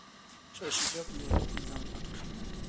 شاه شجاع په ویالې کې ځان پټ کړ.